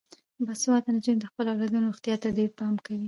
باسواده نجونې د خپلو اولادونو روغتیا ته ډیر پام کوي.